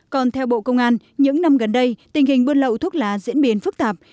còn theo bộ công an những năm gần đây tình hình buôn lậu thuốc lá diễn biến phức tạp